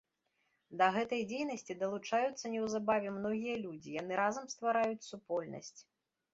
Да гэтай дзейнасці далучаюцца неўзабаве многія людзі, яны разам ствараюць супольнасць.